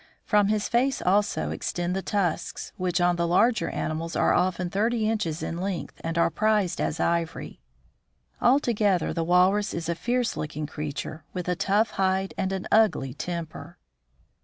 From his face also extend the tusks, which on the larger animals are often thirty inches in length, and are prized as ivory. Altogether the walrus is a fierce looking creature, with a tough hide and an ugly temper.